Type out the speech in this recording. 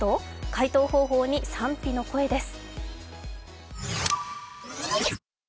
解答方法に賛否の声です。